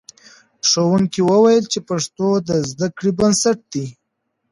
ښوونکي وویل چې پښتو د زده کړې بنسټ دی.